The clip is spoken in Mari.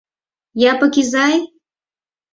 Япык изай!